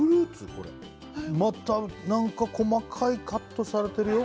これまたなんか細かいカットされてるよ